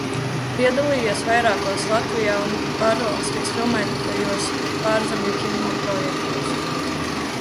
Piedalījies vairākos Latvijā un ārvalstīs filmētajos ārzemju kino projektos.